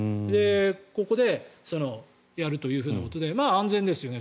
そこでやるということで安全ですよね